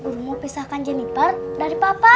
guru mau pisahkan jeniper dari papa